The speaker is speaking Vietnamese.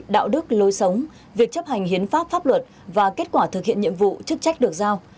đạo đức lối sống việc chấp hành hiến pháp pháp luật và kết quả thực hiện nhiệm vụ chức trách được giao